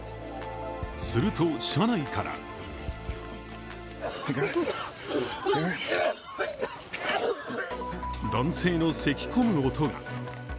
すると車内から男性のせきこむ音が。